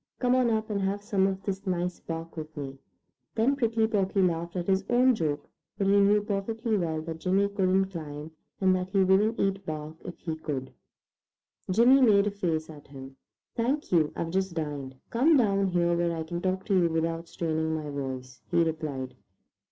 "Come on up and have some of this nice bark with me." Then Prickly Porky laughed at his own joke, for he knew perfectly well that Jimmy couldn't climb, and that he wouldn't eat bark if he could. Jimmy made a face at him. "Thank you, I've just dined. Come down here where I can talk to you without straining my voice," he replied.